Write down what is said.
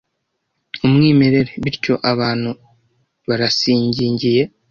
umwimerere, bityo abantu barasigingiye